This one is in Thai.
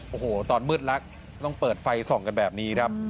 โอ้โหตอนมืดรักต้องเปิดไฟส่องกันแบบนี้ครับ